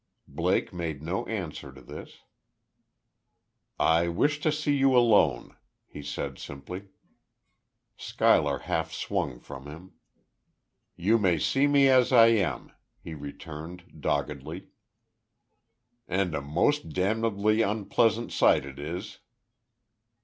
Blake made no answer to this. "I wish to see you alone," he said, simply. Schuyler half swung from him. "You may see me as I am." he returned, doggedly. "And a most damnably unpleasant sight it is."